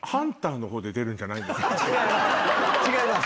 違います。